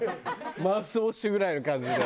マウスウォッシュぐらいの感じで。